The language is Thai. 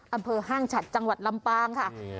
อำเภอห้างฉัดจังหวัดลำปางค่ะ